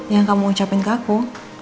yang kamu ucapin ke aku